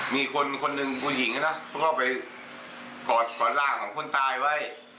มีคนคนหนึ่งผู้หญิงนะเขาก็ไปกอดกอดร่างของคนตายไว้